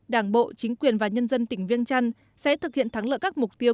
đảng bộ chính quyền và nhân dân tỉnh viên trăn sẽ thực hiện thắng lợi các mục tiêu